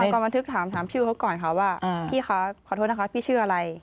แล้วก็บันทึกถามชื่อเขาก่อนค่ะว่าพี่คะขอโทษนะคะพี่ชื่ออะไร